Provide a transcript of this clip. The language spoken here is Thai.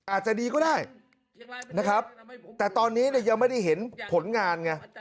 อาจจะดีก็ได้นะครับแต่ตอนนี้เนี่ยยังไม่ได้เห็นผลงานไง